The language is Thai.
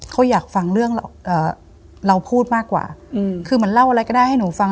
เขาอยากฟังเรื่องเราพูดมากกว่าคือเหมือนเล่าอะไรก็ได้ให้หนูฟัง